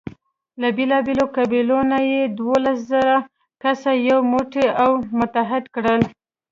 له بېلابېلو قبیلو نه یې دولس زره کسه یو موټی او متحد کړل.